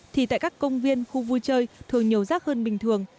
thì tại các công viên khu vui chơi thường nhiều rác hơn bình thường